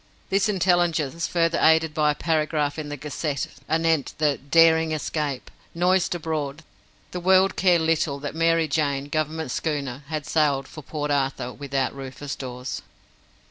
This intelligence, further aided by a paragraph in the Gazette anent the "Daring Escape", noised abroad, the world cared little that the Mary Jane, Government schooner, had sailed for Port Arthur without Rufus Dawes.